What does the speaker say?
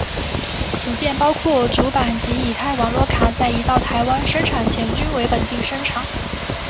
组件包括主板及乙太网络卡在移到台湾生产前均为本地生产。